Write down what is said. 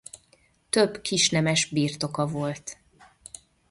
Több kisnemes birtoka volt.